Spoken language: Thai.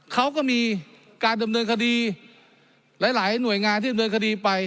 เขาก็มีการดำเนินคดีหลายหน่วยงานที่ดำเนินคดีไป